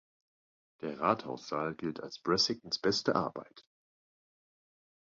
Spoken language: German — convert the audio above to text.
Der Ratshaussaal gilt als Brassingtons beste Arbeit.